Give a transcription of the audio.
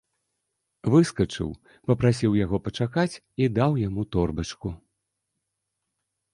Выскачыў, папрасіў яго пачакаць і даў яму торбачку.